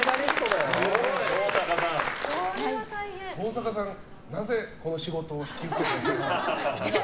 登坂さん、なぜこの仕事を引き受けてくれたんですか？